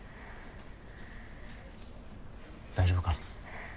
大丈夫か？